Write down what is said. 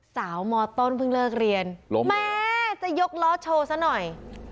สาวมต้นเพิ่งเลิกเรียนม่ะจะยกรถโชว์ซะหน่อย